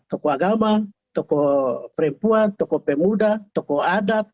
tokoh agama tokoh perempuan tokoh pemuda tokoh adat